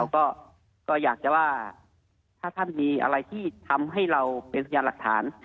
ก็อยากจะว่าถ้าท่านมีอะไรที่ทำให้เราเป็นพยานหลักฐาน